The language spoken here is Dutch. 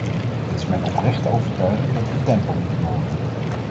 Het is mijn oprechte overtuiging dat we tempo moeten maken.